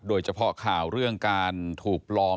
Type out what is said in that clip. โดยเฉพาะข่าวเรื่องการถูกปลอม